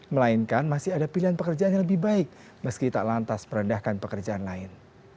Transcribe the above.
melainkan masih ada pilihan pekerjaan yang lebih baik meski tak lantas merendahkan pekerjaan lain